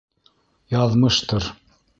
Яҙмыштыр.